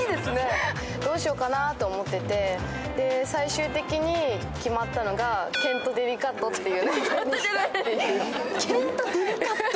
どうしようかなと思ってて、最終的に決まったのがケント・デリカットっていう。